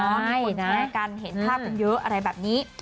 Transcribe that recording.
มีคนแชร์กันเห็นค่าคุณเยอะอะไรแบบนี้